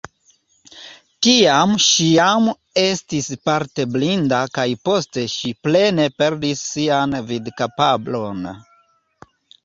Tiam ŝi jam estis parte blinda kaj poste ŝi plene perdis sian vidkapablon.